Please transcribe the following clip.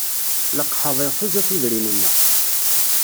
Leqḥeḍ iḥuza tudrin-nneɣ.